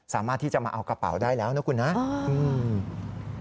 สามารถที่จะมาเอากระเป๋าได้แล้วนะคุณนะ